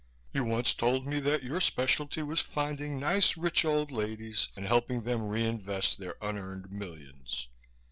You once told me that your specialty was finding nice rich old ladies and helping them re invest their unearned millions.